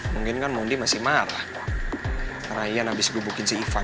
mungkin kan mondi masih marah karena ian abis gebukin si ivan